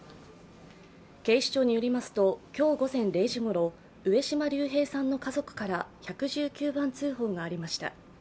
警視庁によりますと、今日午前０時ごろ、上島竜兵さんの家族から１１９番通報がありました。